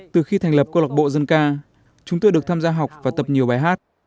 từ khi thành lập câu lạc bộ dân ca chúng tôi được tham gia học và tập nhiều bài hát